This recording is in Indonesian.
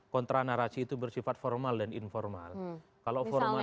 contra narasi itu bersifat formal dan informal